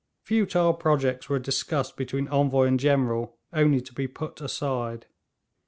Futile projects were discussed between Envoy and General, only to be put aside.